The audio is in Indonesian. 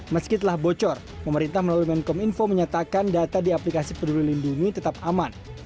meski telah bocor pemerintah melalui menkom info menyatakan data di aplikasi peduli lindungi tetap aman